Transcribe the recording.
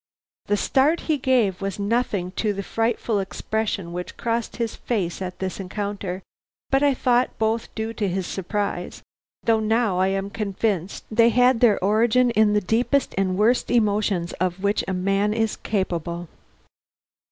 The start he gave was nothing to the frightful expression which crossed his face at this encounter, but I thought both due to his surprise, though now I am convinced they had their origin in the deepest and worst emotions of which a man is capable.